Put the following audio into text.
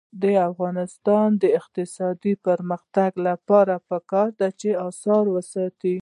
د افغانستان د اقتصادي پرمختګ لپاره پکار ده چې اثار وساتو.